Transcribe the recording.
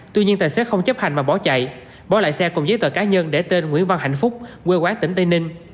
tuy nhiên tài xế không chấp hành mà bỏ chạy bỏ lại xe cùng giấy tờ cá nhân để tên nguyễn văn hạnh phúc quê quán tỉnh tây ninh